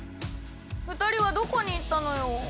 ２人はどこに行ったのよ？